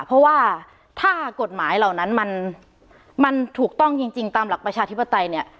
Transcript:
เพราะว่าถ้ากฎหมายเหล่านั้นมันถูกต้องจริงตามหลักประชาธิปไตยเนี่ย